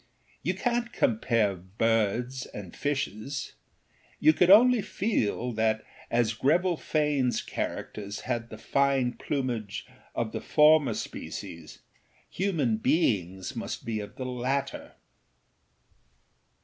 You canât compare birds and fishes; you could only feel that, as Greville Faneâs characters had the fine plumage of the former species, human beings must be of the latter.